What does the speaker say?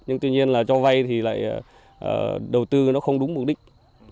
nhưng tuy nhiên là cho vay thì lại đầu tư nó không đúng mục đích